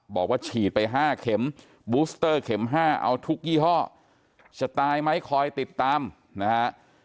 บอกว่าฉีดไป๕เข็มบูสเตอร์เข็ม๕เอาทุกยี่ห้อจะตายไหมคอยติดตามนะฮะ